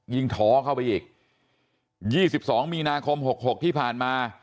ท้อเข้าไปอีก๒๒มีนาคม๖๖ที่ผ่านมา